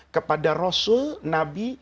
kepada rasul nabi